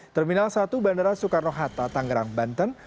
terminal satu bandara soekarno hatta tangerang banten